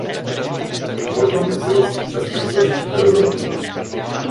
Gwałtowny wzrost przestępczości w Europie